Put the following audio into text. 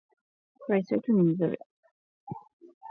Raisi wetu ni mzuri.